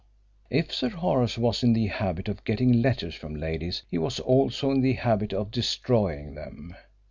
If Sir Horace was in the habit of getting letters from ladies he was also in the habit of destroying them.